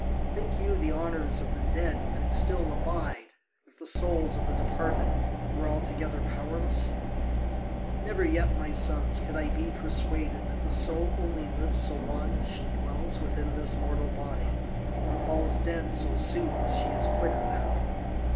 Think you the honours of the dead would still abide, if the souls of the departed were altogether powerless? Never yet, my sons, could I be persuaded that the soul only lives so long as she dwells within this mortal body, and falls dead so soon as she is quit of that.